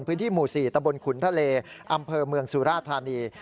พื้นที่หมู่๔ตะบนขุนทะเลอำเภอเมืองสุราธานี